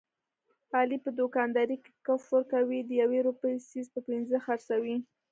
علي په دوکاندارۍ کې کفر کوي، د یوې روپۍ څیز په پینځه خرڅوي.